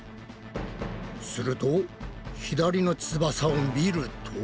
すると左の翼を見ると。